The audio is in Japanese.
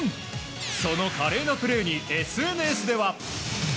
その華麗なプレーにＳＮＳでは。